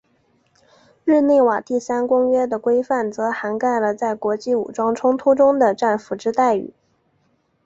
日内瓦第三公约的规范则涵盖了在国际武装冲突中的战俘之待遇。